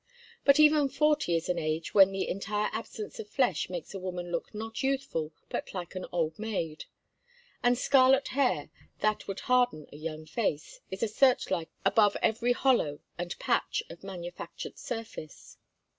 But even forty is an age when the entire absence of flesh makes a woman look not youthful but like an old maid; and scarlet hair, that would harden a young face, is a search light above every hollow and patch of manufactured surface.